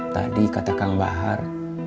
tadi kata kang bahar